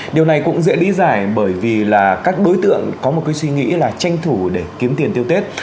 điều này cũng dễ lý giải bởi vì các đối tượng có suy nghĩ tranh thủ để kiếm tiền tiêu tết